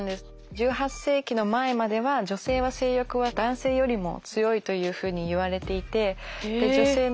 １８世紀の前までは女性は性欲は男性よりも強いというふうにいわれていて。